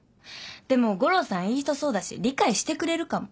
でも悟郎さんいい人そうだし理解してくれるかも。